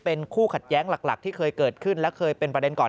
เป็นคู่ขัดแย้งหลักที่เคยเกิดขึ้นและเคยเป็นประเด็นก่อน